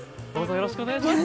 よろしくお願いします。